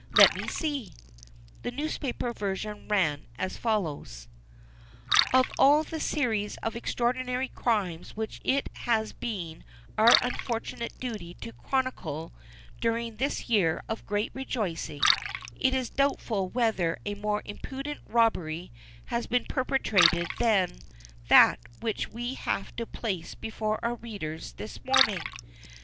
Let me see." The newspaper version ran as follows: "Of all the series of extraordinary crimes which it has been our unfortunate duty to chronicle during this year of great rejoicing, it is doubtful whether a more impudent robbery has been perpetrated than that which we have to place before our readers this morning.